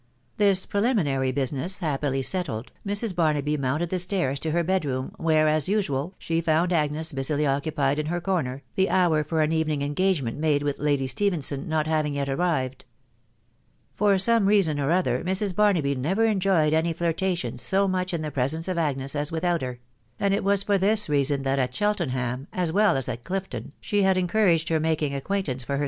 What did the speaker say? . This preliminary business happily settled, Mrs. Barmbf mounted the stairs to her bed room, where, as usual, die found Agnes busily occupied in her corner, the hour for m evening engagement made with Lady Stephenson net baring yet arrived. For some reason or other Mrs. Barnaby never enjoyed my flirtation so much in the presence of Agnes as without ha; and it was for this reason that at Cheltenham, as well tf it Clifton, she had encouraged her making acquaintance for her.